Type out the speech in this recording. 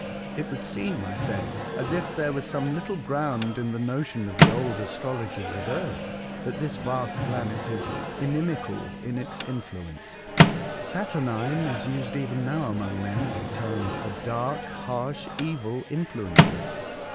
''It would seem," I said, ''as if there was some little ground in the notion of the old astrologers of Earth, that this vast planet is 190 A Voyage to Other Worlds, inimical in its influence. Saturnine is used even now among men as a term for dark, harsh, evil influences.